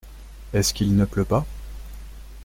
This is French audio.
Est-ce qu’il ne pleut pas ?